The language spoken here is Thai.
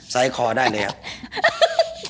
สคอได้เลยครับ